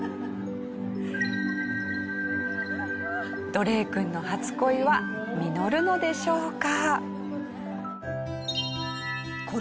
ドレイくんの初恋は実るのでしょうか？